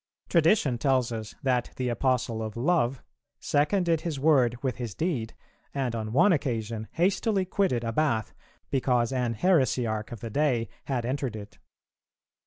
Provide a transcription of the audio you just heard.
Tradition tells us that the Apostle of love seconded his word with his deed, and on one occasion hastily quitted a bath because an heresiarch of the day had entered it.